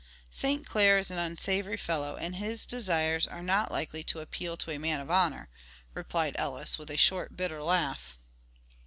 "St. Clair is an unsavory fellow, and his desires are not likely to appeal to a man of honor," replied Ellis, with a short, bitter laugh.